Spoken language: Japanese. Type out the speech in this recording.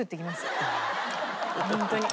ホントに。